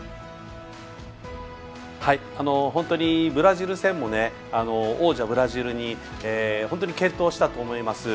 ブラジル戦も王者ブラジルに本当に健闘したと思います。